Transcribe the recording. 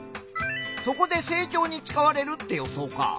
そこで成長に使われるって予想か。